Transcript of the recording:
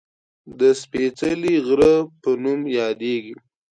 د "سپېڅلي غره" په نوم یادېږي